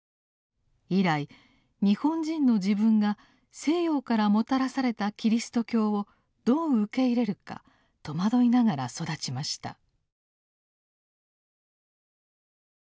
以来日本人の自分が西洋からもたらされたキリスト教をどう受け入れるか戸惑いながら育ちました。